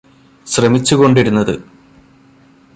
ശ്രമിച്ചുകൊണ്ടിരുന്നത്